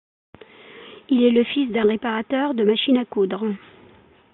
Il est le fils d'un réparateur de machine à coudre.